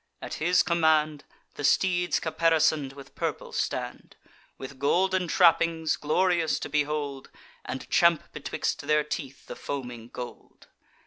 At his command The steeds caparison'd with purple stand, With golden trappings, glorious to behold, And champ betwixt their teeth the foaming gold.